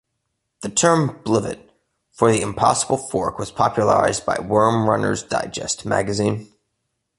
The term "blivet" for the impossible fork was popularized by "Worm Runner's Digest" magazine.